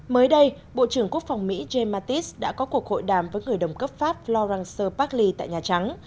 mới đây bộ trưởng quốc phòng mỹ james mattis đã có cuộc hội đàm với người đồng cấp pháp florence pagli tại nhà trắng